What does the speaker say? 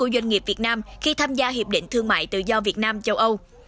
doanh nghiệp việt nam khi tham gia hiệp định thương mại tự do việt nam châu âu